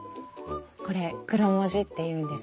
これクロモジっていうんです。